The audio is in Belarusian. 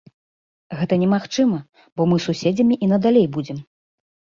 Гэта немагчыма, бо мы суседзямі і надалей будзем.